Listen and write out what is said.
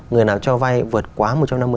người nào cho vay vượt quá một trăm năm mươi